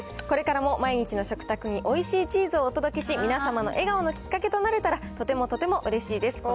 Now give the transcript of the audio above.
これからも毎日の食卓においしいチーズをお届けし、皆様の笑顔のきっかけとなれたら、とてもとてもうれしいです。